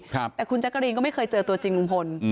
แต่คุณแจ๊กกะรีนก็ไม่เคยเจอตัวจริงลุงพล